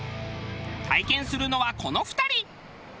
体験するのはこの２人。